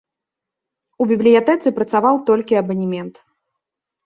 У бібліятэцы працаваў толькі абанемент.